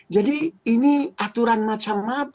jadi ini aturan macam apa